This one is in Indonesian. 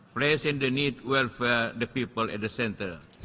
memiliki kebutuhan untuk memperbaiki orang orang di pusat